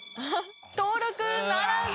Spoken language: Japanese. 登録ならず！